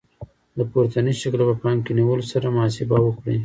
د پورتني شکل په پام کې نیولو سره محاسبه وکړئ.